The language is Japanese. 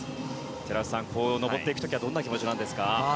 寺内さん上っていく時はどんな気持ちですか。